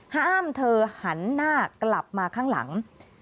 ห้ามเธอหันหน้ากลับมาข้างหลัง